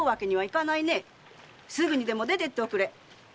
すぐにでも出てっておくれ！